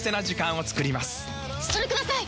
それください！